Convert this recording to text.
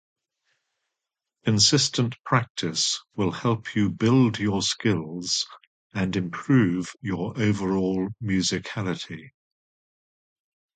Consistent practice will help you build your skills and improve your overall musicality.